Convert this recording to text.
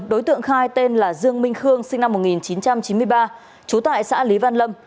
đối tượng khai tên là dương minh khương sinh năm một nghìn chín trăm chín mươi ba trú tại xã lý văn lâm